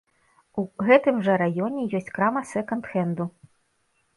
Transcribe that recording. У гэтым жа раёне ёсць крама сэканд-хэнду.